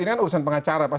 ini kan urusan pengacara